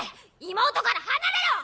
妹から離れろ！